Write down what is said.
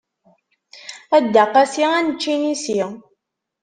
A Dda Qasi ad nečč inisi.